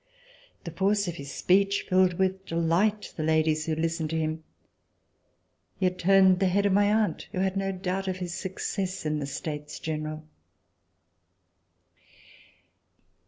The force of his speech filled with delight the ladies who listened to him. He had turned the head of my aunt who had no doubt of his success in the States General.